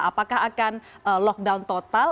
apakah akan lockdown total